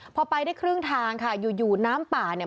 พอไปได้ครึ่งทางค่ะอยู่อยู่น้ำป่าเนี่ย